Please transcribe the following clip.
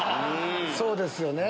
そうですよね。